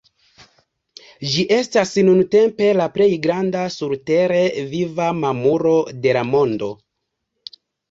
Ĝi estas nuntempe la plej granda surtere viva mamulo de la mondo.